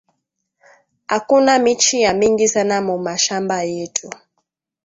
Akuna michi ya mingi sana mu mashamba yetu